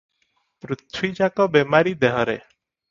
ପୃଥ୍ଵୀଯାକ ବେମାରି ଦେହରେ ।